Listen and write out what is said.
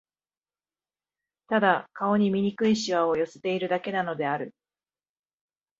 ただ、顔に醜い皺を寄せているだけなのである